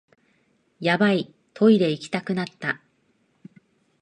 ヤバい、トイレ行きたくなった